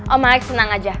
om alex senang aja